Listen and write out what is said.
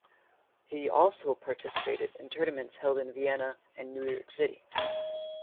He also participated in tournaments held in Vienna and New York City.